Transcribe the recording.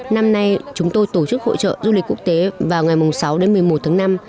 năm nay chúng tôi tổ chức hội trợ du lịch quốc tế vào ngày sáu đến một mươi một tháng năm